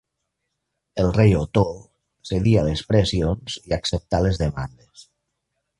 El rei Otó cedí a les pressions i acceptà les demandes.